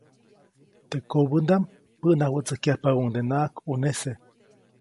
Teʼ kobändaʼm päʼnawätsäjkyajpabäʼuŋdenaʼak ʼunese.